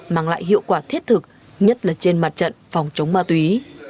mang lại hiệu quả thiết thực nhất là trên mặt trận phòng chống ma túy